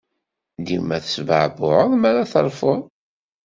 Dima tesbeɛbuɛeḍ mi ara terfuḍ.